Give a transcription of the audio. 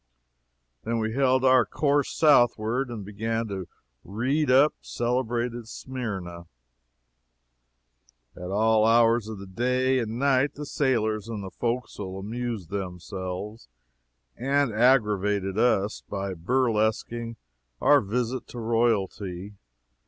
Then we held our course southward, and began to "read up" celebrated Smyrna. At all hours of the day and night the sailors in the forecastle amused themselves and aggravated us by burlesquing our visit to royalty.